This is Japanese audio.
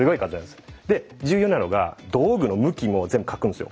で重要なのが道具の向きも全部描くんですよ。